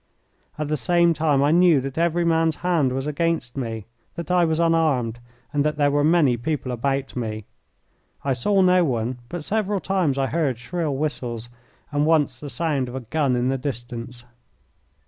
At the same time I knew that every man's hand was against me, that I was unarmed, and that there were many people about me. I saw no one, but several times I heard shrill whistles, and once the sound of a gun in the distance.